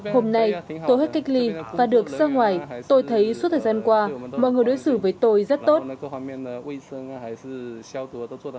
hôm nay tôi hết cách ly và được ra ngoài tôi thấy suốt thời gian qua mọi người đối xử với tôi rất tốt